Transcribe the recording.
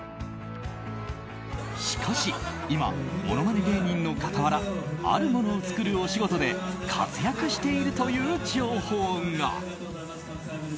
しかし、今ものまね芸人の傍らあるものを作るお仕事で活躍しているという情報が。